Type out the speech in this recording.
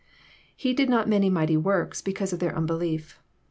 —*^ He did not many mighty works, because of their unbelief."